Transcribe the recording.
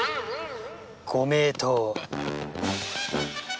ご名答！